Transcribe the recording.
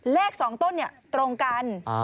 เลข๒ต้นเนี่ยตรงกัน